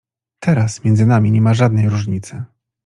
Teraz między nami nie ma żadnej różnicy.